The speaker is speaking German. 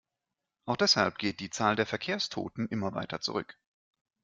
Auch deshalb geht die Zahl der Verkehrstoten immer weiter zurück.